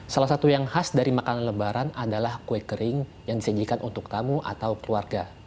salah satu yang khas dari makanan lebaran adalah kue kering yang disajikan untuk tamu atau keluarga